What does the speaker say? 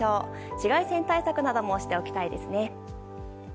紫外線対策などもしておきたいですね。